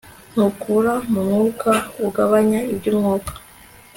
ntukura mu mwuka, ugabanya iby'umwuka